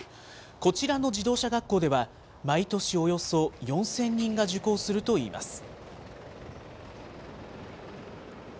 こちらの自動車学校では、毎年およそ４０００人が受講するといいます。